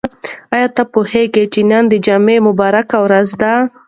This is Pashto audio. آیا ته پوهېږې چې نن د جمعې مبارکه ورځ ده؟